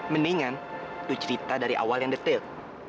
mendingan itu cerita dari awal yang detail